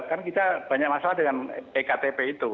kan kita banyak masalah dengan e ktp itu